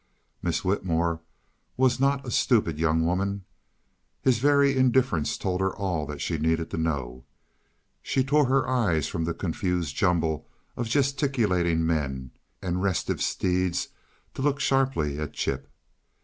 Miss Whitmore was not a stupid young woman; his very indifference told her all that she needed to know. She tore her eyes from the confused jumble of gesticulating men and restive steeds to look sharply at Chip.